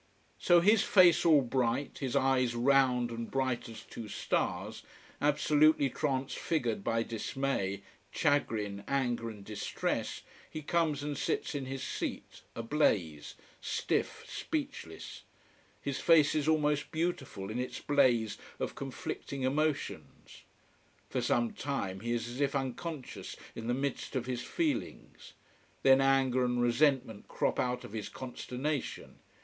So, his face all bright, his eyes round and bright as two stars, absolutely transfigured by dismay, chagrin, anger and distress, he comes and sits in his seat, ablaze, stiff, speechless. His face is almost beautiful in its blaze of conflicting emotions. For some time he is as if unconscious in the midst of his feelings. Then anger and resentment crop out of his consternation.